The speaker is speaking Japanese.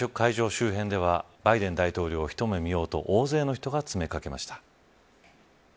周辺ではバイデン大統領を一目見ようと大勢の人が詰めかけました。